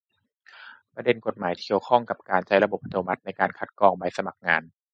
ประเด็นกฎหมายที่เกี่ยวข้องกับการใช้ระบบอัตโนมัติในการคัดกรองใบสมัครงาน